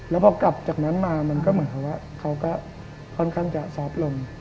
แล้วพอกลับจากนั้นมามันก็เหมือนกับว่าเขาก็ค่อนข้างจะซอฟต์ลง